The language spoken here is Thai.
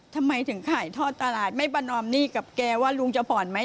ทำไมถึงขายทอดตลาดไม่ประนอมหนี้กับแกว่าลุงจะผ่อนไหม